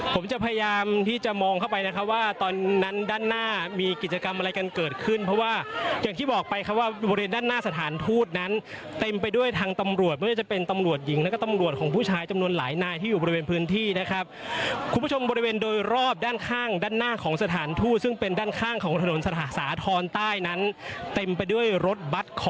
ผมจะพยายามที่จะมองเข้าไปนะครับว่าตอนนั้นด้านหน้ามีกิจกรรมอะไรกันเกิดขึ้นเพราะว่าอย่างที่บอกไปครับว่าบริเวณด้านหน้าสถานทูตนั้นเต็มไปด้วยทางตำรวจไม่ว่าจะเป็นตำรวจหญิงแล้วก็ตำรวจของผู้ชายจำนวนหลายนายที่อยู่บริเวณพื้นที่นะครับคุณผู้ชมบริเวณโดยรอบด้านข้างด้านหน้าของสถานทูตซึ่งเป็นด้านข้างของถนนสถาสาธรณ์ใต้นั้นเต็มไปด้วยรถบัสคอ